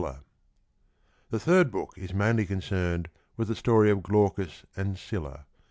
BOOK III. g»^«>sftnd The third book is mainly concerned with the story of Glaucus and Scylla.